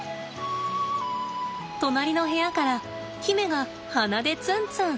隣の部屋から媛が鼻でツンツン。